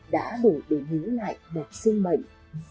đã đủ để nhú lại một sinh mệnh